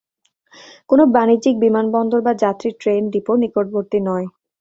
কোন বাণিজ্যিক বিমানবন্দর বা যাত্রী ট্রেন ডিপো নিকটবর্তী নয়।